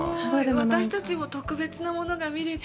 私たちも特別なものが見れた。